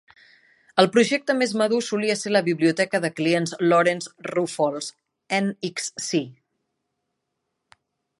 El projecte més madur solia ser la biblioteca de clients Lawrence Roufail's "nxc".